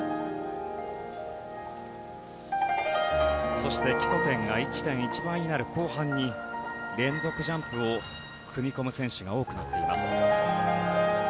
そして基礎点が１．１倍になる後半に連続ジャンプを組み込む選手が多くなっています。